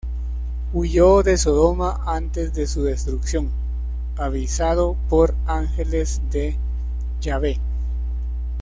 Huyó de Sodoma antes de su destrucción, avisado por ángeles de Yahveh.